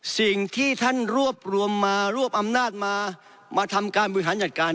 สิ่งที่ท่านรวบรวมมารวบอำนาจมามาทำการบริหารจัดการ